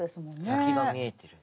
先が見えている。